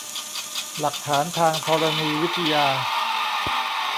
หลักฐานทางธรณีวิทยา